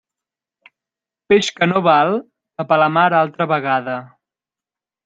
Peix que no val, cap a la mar altra vegada.